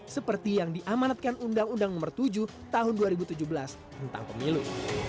seperti yang diamanatkan undang undang nomor tujuh tahun dua ribu tujuh belas tentang pemilu